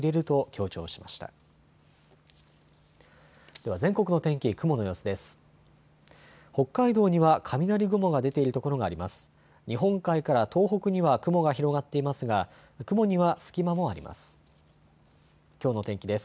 日本海から東北には雲が広がっていますが雲には隙間もあります。